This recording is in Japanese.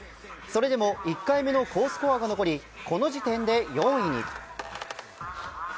それでも１回目の好スコアが残りこの時点で４位に。